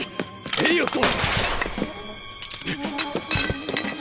エリオット！